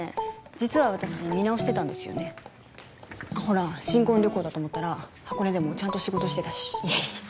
実は私見直してたんですよねほら新婚旅行だと思ったら箱根でもちゃんと仕事してたしいやいや